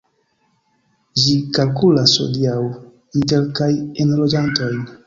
Ĝi kalkulas hodiaŭ inter kaj enloĝantojn.